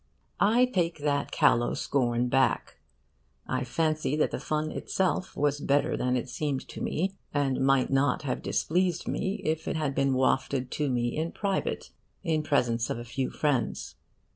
I take that callow scorn back. I fancy that the fun itself was better than it seemed to me, and might not have displeased me if it had been wafted to me in private, in presence of a few friends.